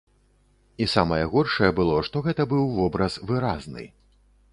І самае горшае было, што гэта быў вобраз выразны.